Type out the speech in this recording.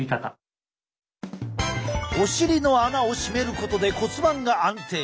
お尻の穴をしめることで骨盤が安定。